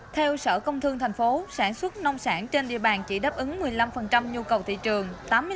theo sở công thương thành phố sản xuất nông sản trên địa bàn chỉ đáp ứng một mươi năm nhu cầu thị trường